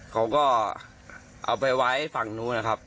เขาก็เอาไปไว้ฝั่งนู้นนะครับ